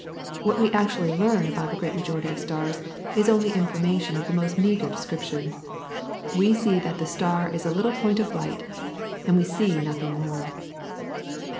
What we actually learn about the great majority of stars is only information of the most meagre description. We see that the star is a little point of light, and we see nothing more.